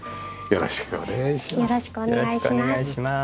よろしくお願いします。